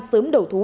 sớm đầu thú